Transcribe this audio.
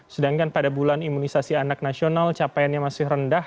sedangkan pada bulan imunisasi anak nasional capaiannya masih rendah